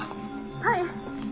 はい。